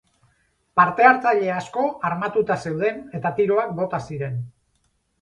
Parte-hartzaile asko armatuta zeuden eta tiroak bota ziren.